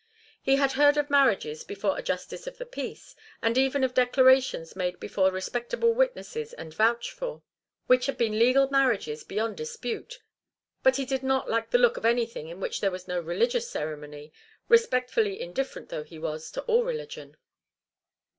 He had heard of marriages before a Justice of the Peace, and even of declarations made before respectable witnesses and vouched for, which had been legal marriages beyond dispute, but he did not like the look of anything in which there was no religious ceremony, respectfully indifferent though he was to all religion.